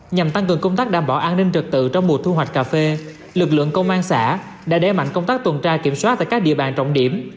nhằm tăng cường công tác đảm bảo an ninh trật tự trong mùa thu hoạch cà phê lực lượng công an xã đã đế mạnh công tác tuần tra kiểm soát tại các địa bàn trọng điểm